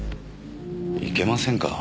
いけませんか？